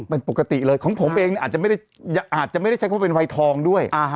เป็นปกติเลยของผมเองอาจจะไม่ได้ใช้คำว่าเป็นวัยทองด้วย